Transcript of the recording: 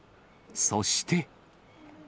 そして。